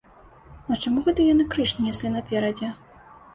А чаму гэта яны крыж неслі наперадзе?